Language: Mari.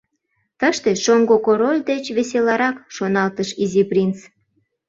«Тыште шоҥго король деч веселарак», — шоналтыш Изи принц.